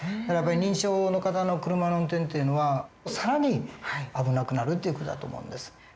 だからやっぱり認知症の方の車の運転っていうのは更に危なくなるという事だと思うんです。